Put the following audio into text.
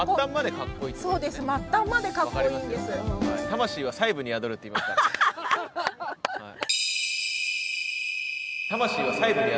魂は細部に宿るっていいますからね。